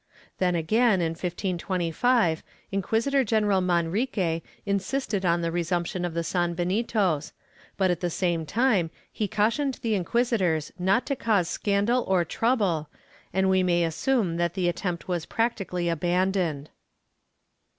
Then again, in 1525, Inquisitor general Manrique insisted on the resumption of the sanbenitos, but at the same time he cautioned the inquisitors not to cause scandal or trouble, and we may assume that the attempt was practically abandoned.